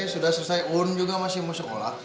sudah selesai un juga masih mau sekolah